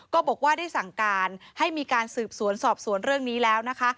ก็บอกว่าได้สั่งการให้มีการสืบสวนสอบสวนเรื่องนี้แล้วนะคะ